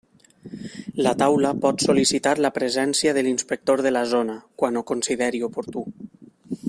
La Taula pot sol·licitar la presència de l'inspector de la zona, quan ho consideri oportú.